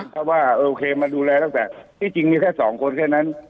ถ้าว่าโอเคมาดูแลตั้งแต่ที่จริงมีแค่สองคนแค่นั้น